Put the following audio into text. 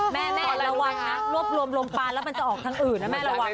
แม่แม่ระวังนะรวบรวมลมปานแล้วมันจะออกทางอื่นนะแม่ระวัง